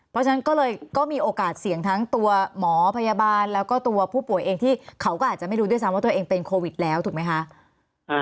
เพราะฉะนั้นก็เลยก็มีโอกาสเสี่ยงทั้งตัวหมอพยาบาลแล้วก็ตัวผู้ป่วยเองที่เขาก็อาจจะไม่รู้ด้วยซ้ำว่าตัวเองเป็นโควิดแล้วถูกไหมคะ